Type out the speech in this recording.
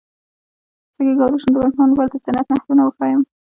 څنګه کولی شم د ماشومانو لپاره د جنت نهرونه وښایم